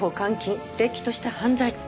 れっきとした犯罪。